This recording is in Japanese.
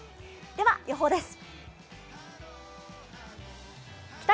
では予報です。